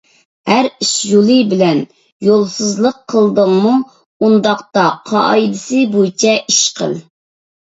ھەر ئىش يولى بىلەن. يولسىزلىق قىلدىڭمۇ، ئۇنداقتا قائىدىسى بويىچە ئىش قىل.